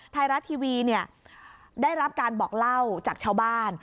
ไทยรัฐทีวีได้รับการบอกเล่าจากชาวบ้าน